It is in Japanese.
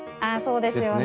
そうですよね。